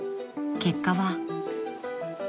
［結果は］